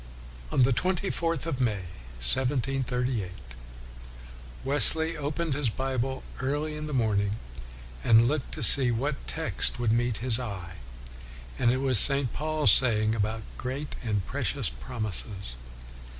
On the twenty fourth of May, 1738, Wesley opened his Bible early in the morning, and looked to see what text would meet his eye, and it was St. Paul's saying about " great and precious prom ises.'